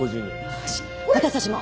よし私たちも。